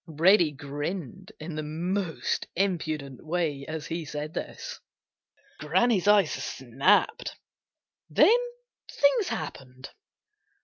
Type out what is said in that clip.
Reddy grinned in the most impudent way as he said this. Granny's eyes snapped. Then things happened.